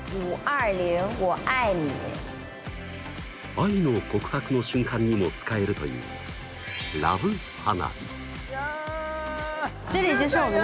愛の告白の瞬間にも使えるといういや。